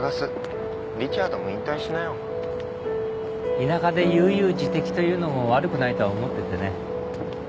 田舎で悠々自適というのも悪くないとは思っててね。